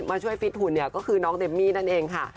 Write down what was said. ช่วยฟิตหุ่นเนี่ยก็คือน้องเดมมี่นั่นเองค่ะ